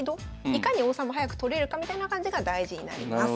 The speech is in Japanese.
いかに王様早く取れるかみたいな感じが大事になります。